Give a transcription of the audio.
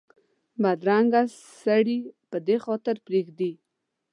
بدرنګه سړي بدې خاطرې پرېږدي